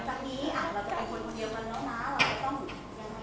จากนี้อ่าวเราคงเป็นคนอื่นเยอะมากแล้วต้องยังมีส่อปรายไร